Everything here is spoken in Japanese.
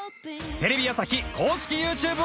テレビ朝日公式 ＹｏｕＴｕｂｅ をチェック！